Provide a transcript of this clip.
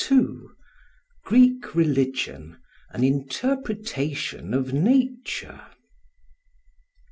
Greek Religion an Interpretation of Nature.